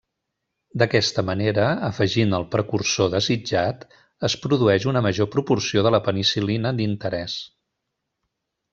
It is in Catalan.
D'aquesta manera, afegint el precursor desitjat, es produeix una major proporció de la penicil·lina d'interès.